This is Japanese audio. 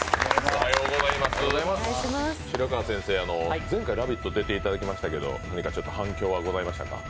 白川先生、前回「ラヴィット！」に出ていただきましたけど反響はございましたか？